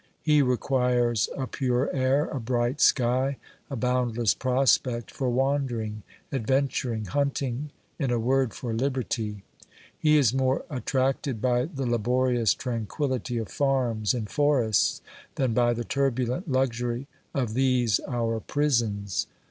He requires a pure air, a bright sky, a boundless prospect for wandering, adventuring, hunting, in a word, for liberty. He is more attracted by the laborious tranquillity of farms and forests than by the turbulent luxury of these our prisons.